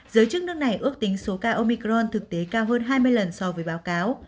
giới chức nước này ước tính số ca omicron thực tế cao hơn hai mươi lần so với báo cáo